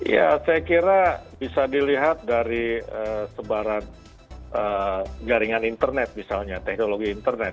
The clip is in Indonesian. ya saya kira bisa dilihat dari sebaran jaringan internet misalnya teknologi internet